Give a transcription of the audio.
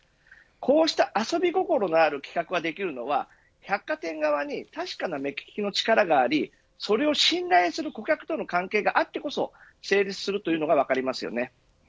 こうした遊び心がある企画ができるのは百貨店側に確かな目利きの力がありそれを信頼する顧客との関係があってこそ成立するというのが分かります。